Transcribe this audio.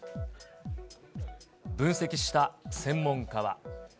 分析した専門家は。